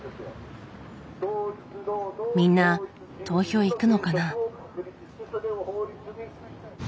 みんな投票行くのかな。